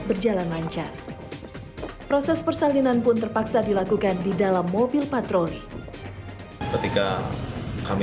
berjalan lancar proses persalinan pun terpaksa dilakukan di dalam mobil patroli ketika kami